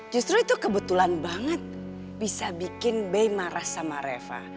justru itu kebetulan banget bisa bikin bay marah sama reva